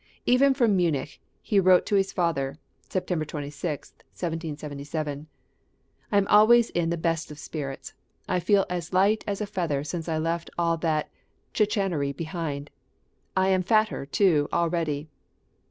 Even from Munich he wrote to his father (September 26, 1777): "I am always in the best of spirits. I feel as light as a feather since I left all that chicanery behind! I am fatter, too, already."